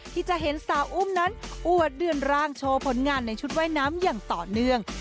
ที่จะเห็นสาวอุ้มนั้นอวดเดือนร่างโชว์ผลงานในชุดว่ายน้ำอย่างต่อเนื่อง